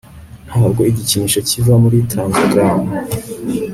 ntabwo igikinisho kiva muri trans-o-gram.